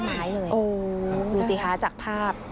โอ้โหดูสิฮาจากภาพ